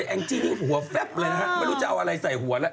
แองจี้นี่หัวแฟบเลยนะฮะไม่รู้จะเอาอะไรใส่หัวแล้ว